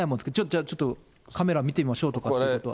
じゃあ、ちょっとカメラ見てみましょうっていうことは。